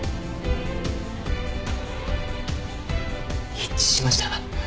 一致しました！